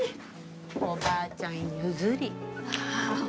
おばあちゃん譲り。